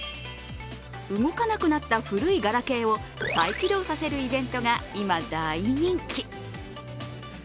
動かなくなった古いガラケーを再起動させるイベントが今、大人気。